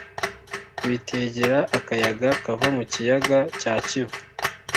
bitegera akayaga kava mukiyaga cya kivu,